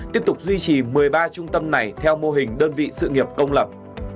tiếp tục duy trì một mươi ba trung tâm này theo mô hình đơn vị sự nghiệp công lập